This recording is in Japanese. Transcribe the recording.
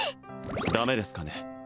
ダメですかね？